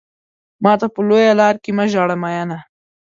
ماته په لويه لار کې مه ژاړه مينه.